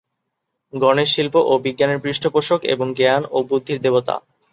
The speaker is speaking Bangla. গণেশ শিল্প ও বিজ্ঞানের পৃষ্ঠপোষক এবং জ্ঞান ও বুদ্ধির দেবতা।